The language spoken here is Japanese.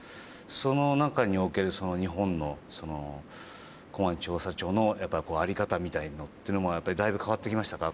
その中における日本の公安調査庁の在り方みたいなというのもだいぶ変わってきましたか？